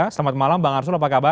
selamat malam bang arsul apa kabar